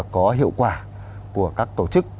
có hiệu quả của các tổ chức